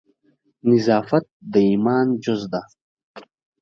نظافت د ایمان جز ده